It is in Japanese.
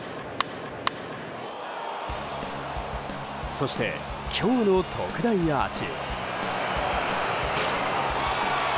そして、今日の特大アーチ。